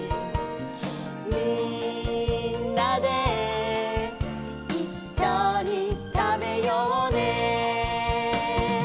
「みんなでいっしょにたべようね」